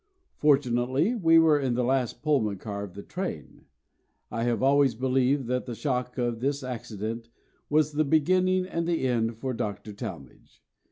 Fortunately we were in the last Pullman car of the train. I have always believed that the shock of this accident was the beginning of the end for Dr. Talmage.